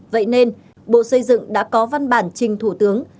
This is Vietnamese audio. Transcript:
vậy nên bộ xây dựng đã có văn bản trình thủ tướng